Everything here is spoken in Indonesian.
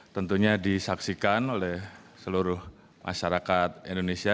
tentunya disaksikan oleh seluruh masyarakat indonesia